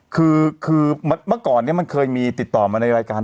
คือเมื่อก่อนนี้มันเคยมีติดต่อมาในรายการ